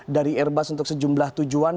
dari airbus untuk sejumlah tujuan